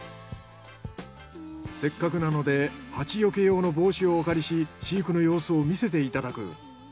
せっかくなのでハチ避け用の帽子をお借りし飼育の様子を見せていただく。